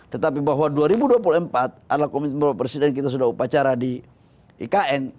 tetapi bahwa dua ribu dua puluh empat adalah komitmen bapak presiden kita sudah upacara di ikn